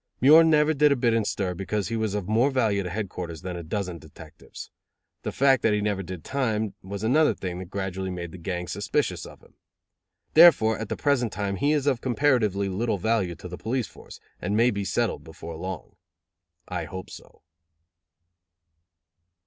Muir never did a bit in stir because he was of more value to headquarters than a dozen detectives. The fact that he never did time was another thing that gradually made the gang suspicious of him. Therefore, at the present time he is of comparatively little value to the police force, and may be settled before long. I hope so.